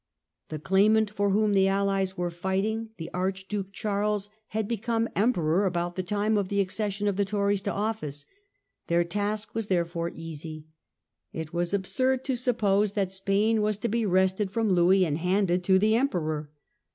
The claimant for whom the Allies were fighting, the Archduke Charles, had become emperor about the time of the accession of the Tories to office. Their task was therefore easy. It was absurd to suppose that Spain was to be wrested from Louis and handed to the Emperor.